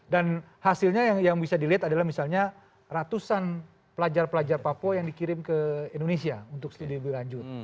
hasilnya yang bisa dilihat adalah misalnya ratusan pelajar pelajar papua yang dikirim ke indonesia untuk studi lebih lanjut